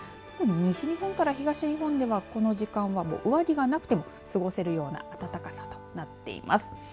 西日本から東日本ではこの時間は上着がなくても過ごせるような暖かさとなっています。